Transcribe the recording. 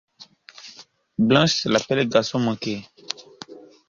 Blanche l'appelait garçon manqué.